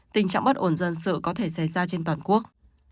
tình trạng bất ổn dân sự có thể xảy ra trên toàn quốc